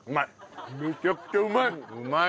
めちゃくちゃうまい！